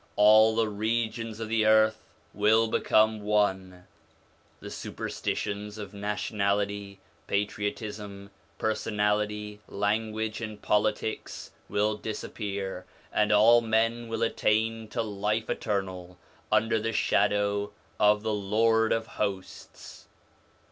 All the regions of the earth will become one, the superstitions of nationality, patriotism, personality, language, and politics will disappear ; and all men will attain to life eternal, under the shadow of the Lord of Hosts.